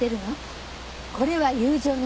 これは友情の証し。